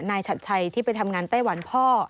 นายชัตร์ชัยที่ไปทำงานไต้หวันพ่อ